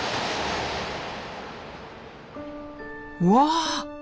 うわあ。